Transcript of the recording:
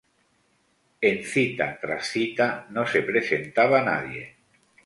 En cita tras cita no se presentaba nadie.